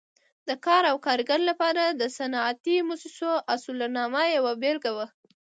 د کار او کارګر لپاره د صنعتي مؤسسو اصولنامه یوه بېلګه وه.